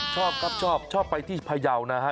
ชอบครับชอบชอบไปที่พยาวนะฮะ